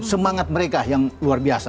semangat mereka yang luar biasa